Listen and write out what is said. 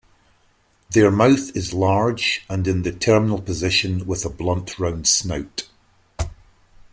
Their mouth is large and in the terminal position with a blunt round snout.